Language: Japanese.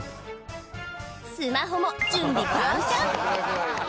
スマホも準備万端！